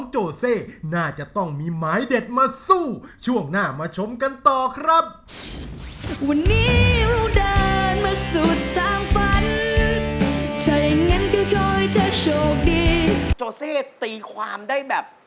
โจเซตีความโทษมากเลยครับ